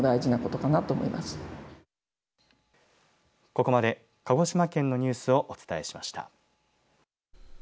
ここまで鹿児島県のニュースをお伝えしました。